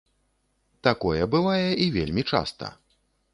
Такое бывае, і вельмі часта.